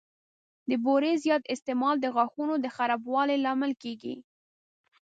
د بوري زیات استعمال د غاښونو د خرابوالي لامل کېږي.